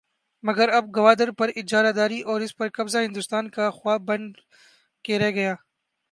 مگر اب گوادر پر اجارہ داری اور اس پر قبضہ ہندوستان کا خواب بن کے رہ گیا۔